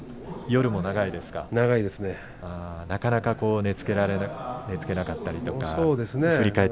なかなか寝つけなかったりとか。